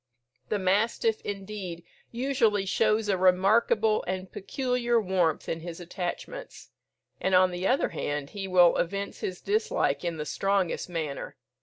The mastiff, indeed, usually shows a remarkable and peculiar warmth in his attachments; and, on the other hand, he will evince his dislike in the strongest manner.